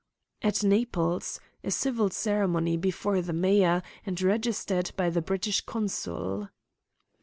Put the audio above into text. "At Naples a civil ceremony, before the Mayor, and registered by the British Consul."